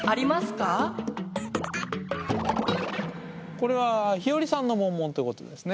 これはひよりさんのモンモンってことですね。